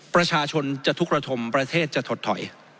ประชาชนจะทุกระทมประเทศจะถดถอย